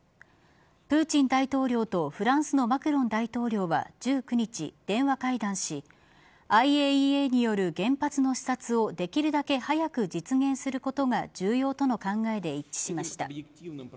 プーチン大統領とフランスのマクロン大統領は１９日、電話会談しＩＡＥＡによる原発の視察をできるだけ早く実現することが重要との考えで一致しました。